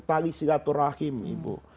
tali silaturrahim ibu